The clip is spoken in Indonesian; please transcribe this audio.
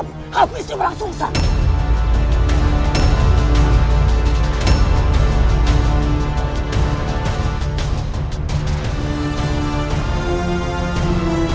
kami sudah berlangsung saja